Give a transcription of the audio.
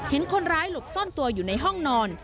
เห็นคนร้ายหลบซ่อนตัวอยู่ในห้องนอน